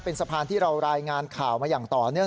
เป็นสะพานที่เรารายงานข่าวมาอย่างต่อเนื่อง